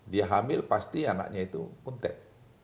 dia hamil pasti anaknya itu punte